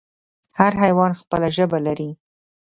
هر حیوان خپله ژبه لري